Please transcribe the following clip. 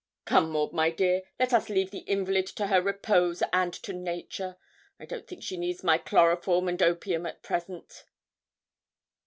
'Come, Maud, my dear, let us leave the invalid to her repose and to nature. I don't think she needs my chloroform and opium at present.'